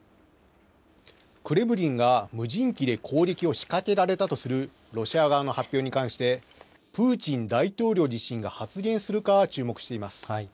クレムリンが無人機で攻撃を仕掛けられたとするロシア側の発表に関して、プーチン大統領自身が発言するか注目しています。